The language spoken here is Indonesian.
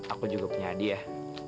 aku juga punya hadiah